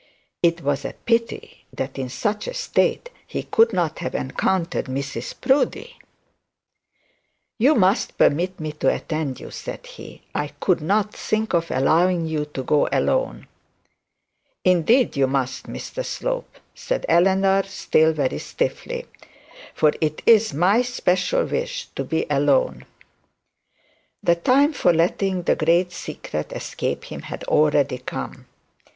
It was a pity that in such a state he could not have encountered Mrs Proudie. 'You must permit me to attend you,' said he; 'I could not think of allowing you to go alone.' 'Indeed you must, Mr Slope,' said Eleanor still very stiffly; 'for it is my special wish to be alone.' The time for letting the great secret escape him had already come.